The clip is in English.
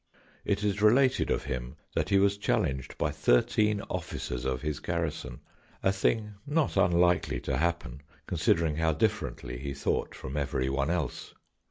It is related of him that he was challenged by thirteen officers of his garrison, a thing not unlikely to happen considering how differently he thought from every one else.